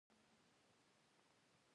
هر وخت کورنۍ تګ راتګ ورسره درلود.